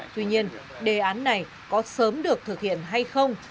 tuy nhiên đề án này có sớm được thực hiện hay không